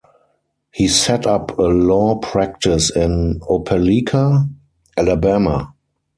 He set up a law practice in Opelika, Alabama.